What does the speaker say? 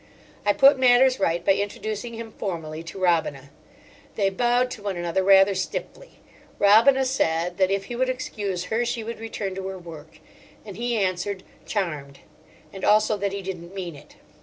I put matters right by introducing him formally to Robina. They bowed to one another rather stiffly. Robina said that if he would excuse her she would return to her work; and he answered "Charmed," and also that he didn't mean it.